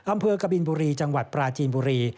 กบินบุรีจังหวัดปราจีนบุรี